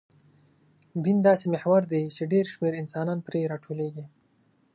دین داسې محور دی، چې ډېر شمېر انسانان پرې راټولېږي.